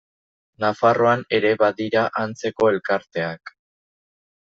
Nafarroan ere badira antzeko elkarteak.